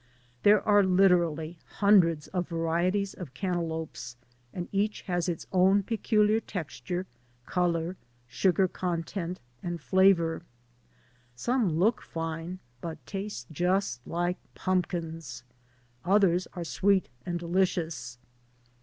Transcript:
There are literally hundreds of varieties of cantaloupes and each has its own peculiar texture, color, sugar content, and flavor. Some look fine but taste just like pumpkins. Others are sweet and delicious.